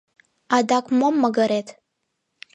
Адак мом магырет?!